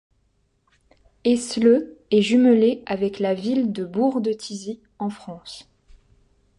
Hessle est jumelée avec la ville de Bourg-de-Thizy en France.